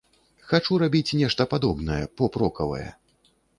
Хачу рабіць нешта падобнае, поп-рокавае.